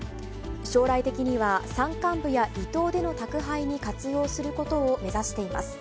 将来的には、山間部や離島での宅配に活用することを目指しています。